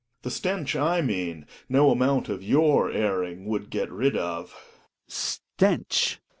The stench I mean, no amoant of your airing would get rid of. Hjalmar. Stench